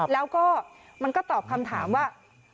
แล้วก็มันก็ตอบคำถามว่า